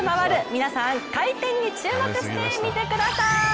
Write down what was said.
皆さん、回転に注目してみてください。